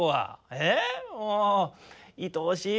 ええもういとおしい。